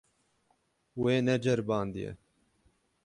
Wê neceribandiye.